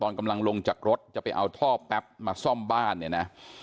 กำลังลงจากรถจะไปเอาท่อแป๊บมาซ่อมบ้านเนี่ยนะ